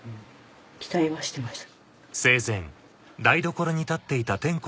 期待はしてました。